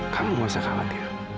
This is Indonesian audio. kamu gak usah khawatir